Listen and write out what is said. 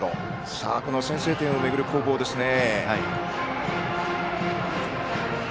この先制点をめぐる攻防ですね。